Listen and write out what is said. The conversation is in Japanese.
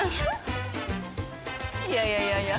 いやいやいやいや。